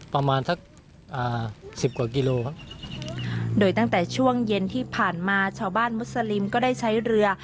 ประมาณสักอ่าสิบกว่ากิโลครับโดยตั้งแต่ช่วงเย็นที่ผ่านมาชาวบ้านมุสลิมก็ได้ใช้เรือ